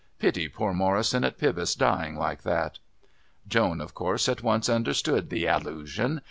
Pity poor Morrison at Pybus dying like that." Joan of course at once understood the allusion.